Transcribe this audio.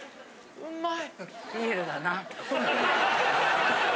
うまい！